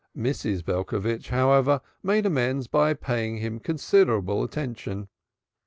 Mrs. Belcovitch, however, made amends by paying him considerable attention.